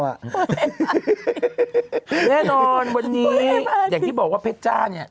แน่นอนวันนี้อย่างที่บอกว่าเพชรจ้าเนี่ย